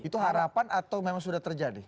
itu harapan atau memang sudah terjadi